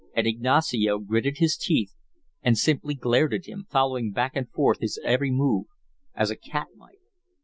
And Ignacio gritted his teeth and simply glared at him, following back and forth his every move, as a cat might.